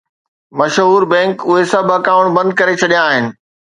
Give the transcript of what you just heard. مشهور بئنڪ اهي سڀ اڪائونٽ بند ڪري ڇڏيا آهن